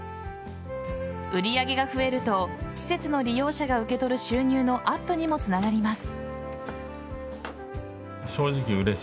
売り上げが増えると施設の利用者が受け取る収入のアップにもつながります。